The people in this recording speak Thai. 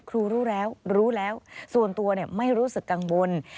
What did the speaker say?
รู้แล้วรู้แล้วส่วนตัวไม่รู้สึกกังวล